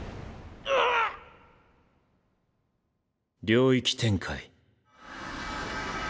領域展開。